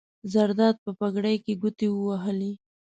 زرداد په پګړۍ ګوتې ووهلې.